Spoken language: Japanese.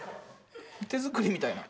手作りみたいな。